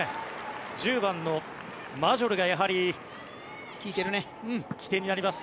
１０番のマジョルがやはり起点になります。